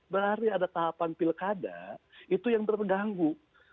berarti ada tahapan pilkada itu yang terganggu